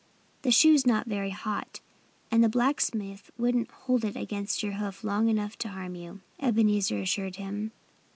"The shoe's not very hot; and the blacksmith wouldn't hold it against your hoof long enough to harm you," Ebenezer assured him.